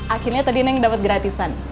akhirnya tadi neng dapat gratisan